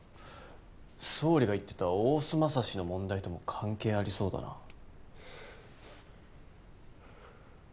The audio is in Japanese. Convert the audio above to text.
総理が言ってた大須匡の問題とも関係ありそうだな。